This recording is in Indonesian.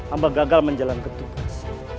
amba gagal menjalan ke tupas